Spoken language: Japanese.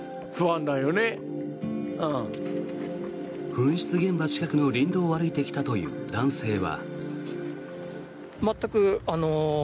噴出現場近くの林道を歩いてきたという男性は。